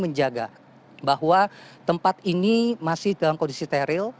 menjaga bahwa tempat ini masih dalam kondisi teril